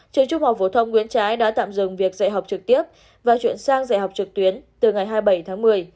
trường trung học phổ thông nguyễn trãi đã tạm dừng việc dạy học trực tiếp và chuyển sang dạy học trực tuyến từ ngày hai mươi bảy tháng một mươi